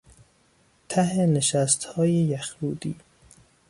ته نشستهای یخرودی